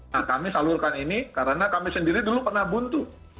nah kami salurkan ini karena kami sendiri dulu pernah buntu